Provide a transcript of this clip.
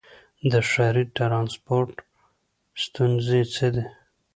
د ښاري ټرانسپورټ ستونزې څه دي؟